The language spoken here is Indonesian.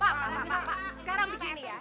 pak sekarang begini ya